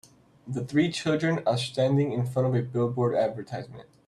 Three children are standing in front of a billboard advertisement.